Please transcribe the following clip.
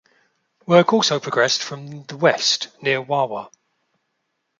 Work also progressed from the west, near Wawa.